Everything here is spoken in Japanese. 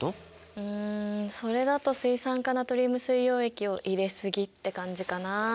うんそれだと水酸化ナトリウム水溶液を入れ過ぎって感じかな。